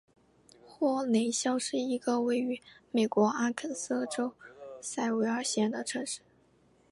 霍雷肖是一个位于美国阿肯色州塞维尔县的城市。